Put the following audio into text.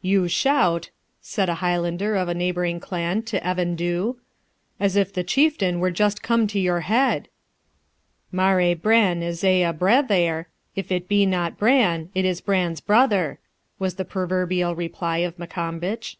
'You shout,' said a Highlander of a neighbouring clan to Evan Dhu, 'as if the Chieftain were just come to your head.' 'Mar e Bran is e a brathair, If it be not Bran, it is Bran's brother,' was the proverbial reply of Maccombich.